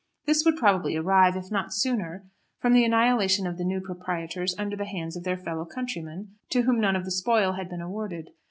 This would probably arrive, if not sooner, from the annihilation of the new proprietors under the hands of their fellow countrymen to whom none of the spoil had been awarded.